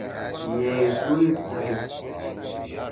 ئے ٹِویِٹ تھل۔